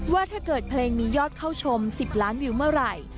ว่าถ้าเกิดเพลงมียอดเข้าชม๑๐ล้านวิวเมื่อไหร่